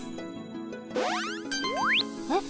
えっ？